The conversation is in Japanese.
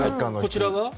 こちらが？